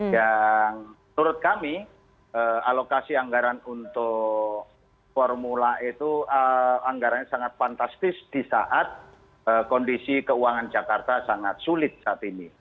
yang menurut kami alokasi anggaran untuk formula e itu anggarannya sangat fantastis di saat kondisi keuangan jakarta sangat sulit saat ini